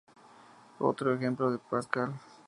Otro ejemplo en Pascal.